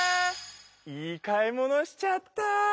いい買い物しちゃった。